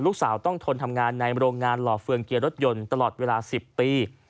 ลูกสาวต้องทนทำงานในโรงงานหล่อเฟืองเกียร์รถยนต์ตลอดเวลา๑๐ปี